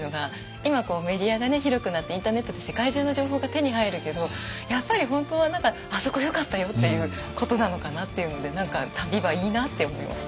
今メディアが広くなってインターネットで世界中の情報が手に入るけどやっぱり本当は「あそこよかったよ！」っていうことなのかなっていうので何か旅はいいなって思いました。